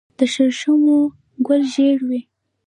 د شړشمو ګل ژیړ وي.